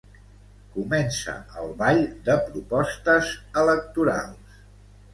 Comença el ball de propostes electorals.